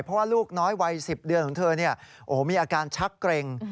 เพราะว่าลูกน้อยวัย๑๐เดือนของเธอมีอาการชักเกร็ง